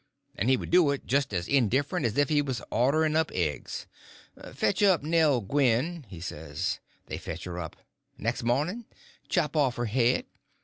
And he would do it just as indifferent as if he was ordering up eggs. 'Fetch up Nell Gwynn,' he says. They fetch her up. Next morning, 'Chop off her head!